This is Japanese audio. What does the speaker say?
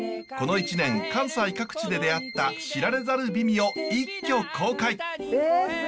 この１年関西各地で出会った知られざる美味を一挙公開！